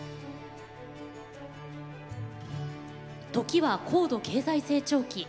時は高度経済成長期。